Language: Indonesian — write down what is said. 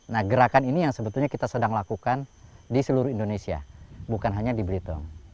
nah gerakan ini yang sebetulnya kita sedang lakukan di seluruh indonesia bukan hanya di belitung